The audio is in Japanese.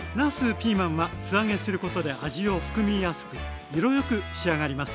ピーマンは素揚げすることで味を含みやすく色よく仕上がります。